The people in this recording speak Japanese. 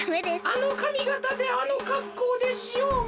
あのかみがたであのかっこうでしおをまく。